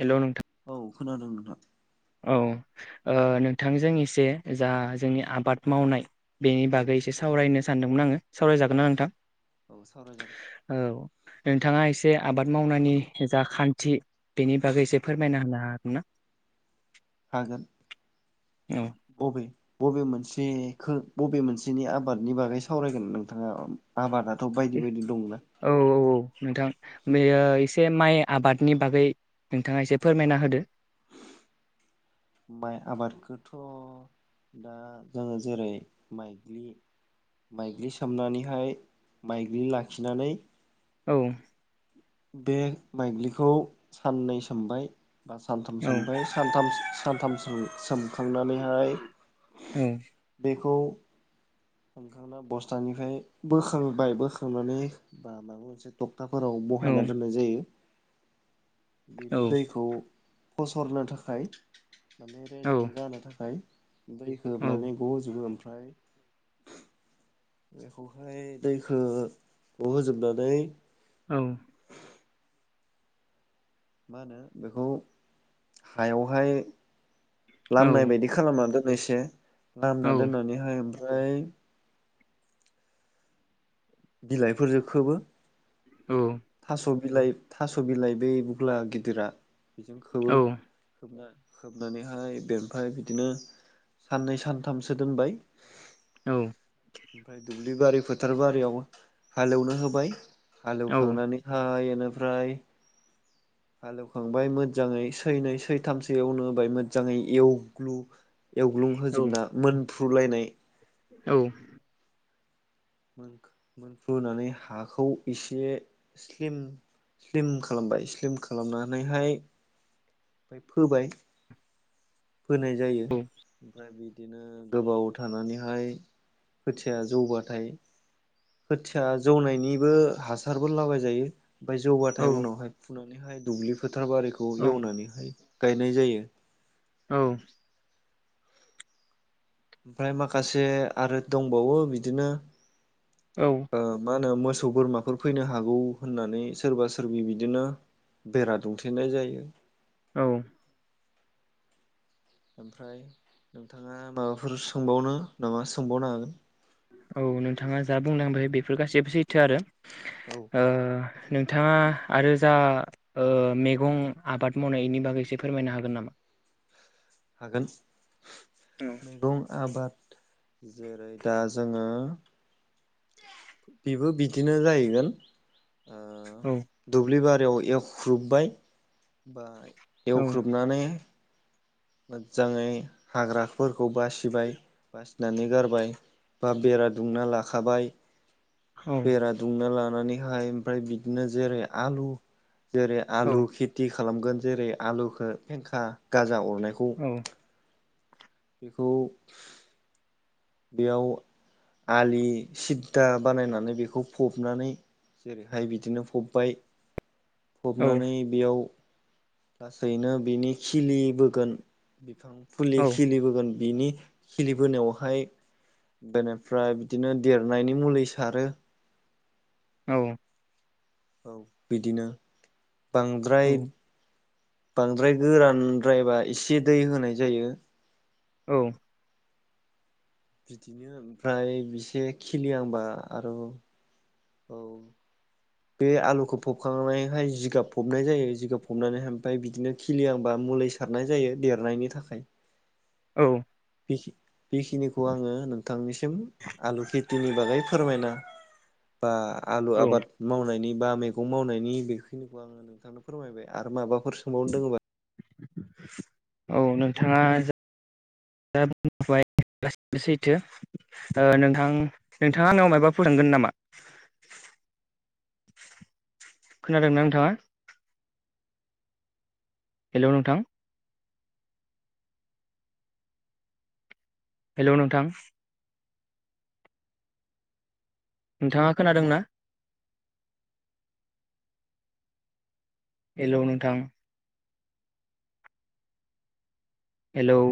Hello नों औ खोनादों नोंथां औ ओ नोंथांजों एसे जा जोंनि आबाद मावनाय बेनि औ बागै एसे सावरायनो सानदोंमोन आङो औ सावरायजागोनना नोंथां औ सावरायजागोन। औ नोंथाङा एसे बे आबाद मावनायनि जा खान्थि बेनि बागै एसे फोरमायना होनो हागोन ना हागोन औ बबे बबे मोनसेखौ बबे मोनसेनि आबादनि बागै सावरायगोन नोंथाङा आबादारि थ' बायदि बायदि दंना औ औ नोंथां बेयो एसे माइ आबादनि बागै नोंथाङा एसे फोरमायना होदो माइ आबादखौथ' दा जोङो जेरै माइग्लि माइग्लि सोमनानैहाय माइग्लि लाखिनानै औ बे माइग्लिखौ साननै सोमबाय बा सानथाम औ सोमबाय सानथाम सानथामसो सोमखांनानैहाय औ बेखौ सोमखांना बस्थानिफ्राय बोखांबाय बोखांनानै बा माबा मोनसे थपथाफोराव ब औ बाहायना दोननाय जायो औ बेनि दैखौ फसरनो थाखाय माने औ रेजें जानो थाखाय दैखौ औ माने ग'जोबो ओमफ्रा ओमफ्राय बेखौहाय दैखौ होजोबनानै औ मा होनो बेखौ हायावहाय लामनाय औ बायदि खालामनानैथ' बेसे औ लामना दोननानै हाय ओमफ्राय फाय बिलाइफोरजोंखोबो औ थास' बिलाइ थास' बिलाइ बै बुख्ला गिदिरा बेजों खोबो ओ खोबनानैहाय बेनिफ्राय बिदिनो साननै सानथामसो दोनबाय औ ओमफ्राय दुब्लि बारि फोथार बारियाव हालेवनो होबाय हालेव थांनानै हाय बेनिफ्राय हालेवखांबाय मोजाङै सैनै सैथामसो एवनो होबाय मोजाङै एवग्लु एवग्लुं होजोबना मोन फ्रुलायनाय औ मोनफ्र्लुानै हाखौ एसे स्लिम स्लिम खालामबाय स्लिम खालामनानैहाय ओमफ्राय फोबाय फोनाय जायो ओमफ्राय बि बिदिनो गोबाव थानानैहाय खोथिया जौबाथाय खोथिया जौनायनिबो हासारबो लाबाय जायो ओमफ्राय औ जौबाथाय उनावहाय फु दुब्लि फोथारबारिखौ औ एवनानैहाय गायनाय जायो औ ओमफ्राय माखासे आरो दंबावो बिदिनो औ ओ मा होनो मोसौ बोरमाफोर फैनो हागौ होननानै सोरबा सोरबि बिदिनो बेरा दुंथेनाय जायो औ ओमफ्राय नोंथाङा माबाफोर सोंबावनो नामा सोंबावनो हागोन औ नोंथाङा जा बुंलांबाय बेफोर गासैबो सैथो आरो औ ओ नोंथाङा आरो जा ओ मैगं आबाद मावनायनि बागैससे फोरमायनो हागोन नामा हागोन औ मैगं आबाद जेरै दा जोङो बेबो बिदिनो जाहैगोन ओ औ दुब्लिबारि बेयाव एवख्रुबबाय बा औ एवख्रुबनानै मोजाङै हाग्राफोरखौ बासिबाय बासिनानै गारबाय बा बेरा दुंना लाखाबाय औ बेरा दुंना लानो नानैहाय ओमफ्राय बिदिनो जेरै आलु जेरै औ आलु खेथि खालामोन जेरै आलुखौ फेंखा गाजा अरनाय औ बेखौ बेयाव आलि सिद्दा बानायनानै बेखौ फबनानै जेरैहाय बिदिनो फबबाय औ फबनानै बेयाव लासैनो बिनि खिलिबोगोन फुलि खिलिबोगोन बिनि खिलिबोनायावहाय बेनिफ्राय बिदिनो देरनायनि मुलि सारो औ औ बिदिनो बांद्राय बांद्राय गोरानद्रायबा एसे दै होनाय जायो औ बिदिनो ओमफ्राय बिसे खिलिहांबा आरो औ बे आलुखौ फबखांनानैहाय जिगाब फबनाय जायो जिगाब फबनानैहाय आमफाय बिदिनो खिलियांबा मुलि सारनाय जायो देरनायनि थाखाय औ बिखि बेखिनिखौ आङो नोंथांनिसिम आलु खेथिनि बागै फोरमायना बा आलु औ आबाद मावनायनि बा मैगं मावनायनि बेखिनिखौ आङो नोंथांनो फोरमायबाय आरो माबा माबाफोर सोंबावनो दोङोबा औ नोंथाङा जा बुंबाय गासैबो सैथो ओ नोंथां नोंथाङा आंनियाव मायबाफोर सोंगोन नामा खोनादोंना नोंथाङा हेलौ नोंथां हेलौ नोंथां नोंथाङा खोनादोंना हेलौ नोंथां हेलौ